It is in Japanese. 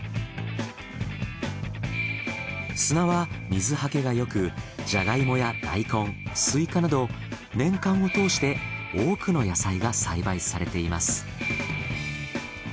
砂は水はけがよくジャガイモや大根スイカなど年間を通して多くの野菜が栽培されています。